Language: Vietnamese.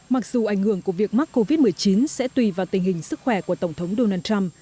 mặc dù ảnh hưởng của việc mắc covid một mươi chín sẽ tùy vào tình hình sức khỏe của tổng thống donald trump